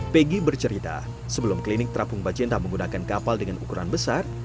peggy bercerita sebelum klinik terapung bajenta menggunakan kapal dengan ukuran besar